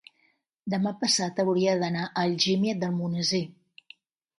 Demà passat hauria d'anar a Algímia d'Almonesir.